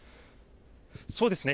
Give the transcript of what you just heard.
そうですね。